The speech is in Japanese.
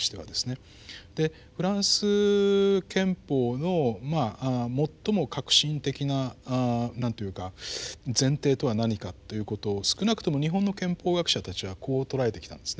でフランス憲法の最も核心的ななんと言うか前提とは何かということを少なくとも日本の憲法学者たちはこう捉えてきたんですね。